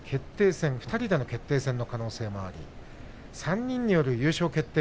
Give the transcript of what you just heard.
２人での決定戦の可能性もあり３人による優勝決定